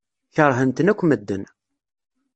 Keṛhen-ten akk medden.